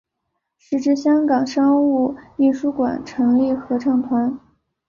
时值香港商务印书馆成立合唱团。